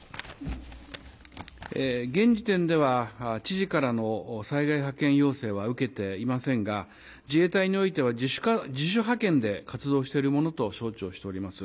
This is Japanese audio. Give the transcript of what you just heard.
現時点では、知事からの災害派遣要請は受けていませんが、自衛隊においては、自主派遣で活動しているものと承知をしております。